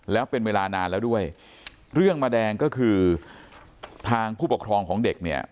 แล้วเป็นเวลานานแล้วด้วยเรื่องมาแดงก็คือทางผู้ปกครองของเด็กเนี่ย